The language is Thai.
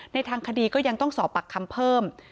ในทางคดีก็ยังต้องสอบปากคำเพิ่ม